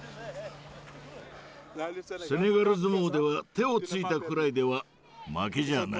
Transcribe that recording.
セネガル相撲では手をついたくらいでは負けじゃない。